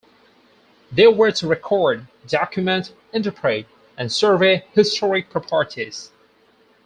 They were to record, document, interpret, and survey historic properties.